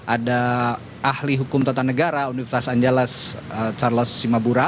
ada ahli hukum tata negara universitas anjales charles simabura